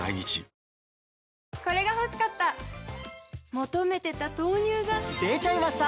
求めてた豆乳がでちゃいました！